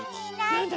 なんだ？